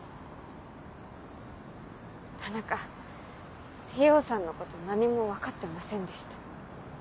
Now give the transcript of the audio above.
田中Ｔ・Ｏさんのこと何も分かってませんでした。